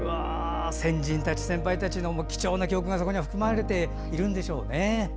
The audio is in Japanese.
先人たち、先輩たちの貴重な経験がそこには含まれているんでしょうね。